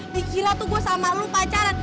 dikira tuh gue sama lo pacaran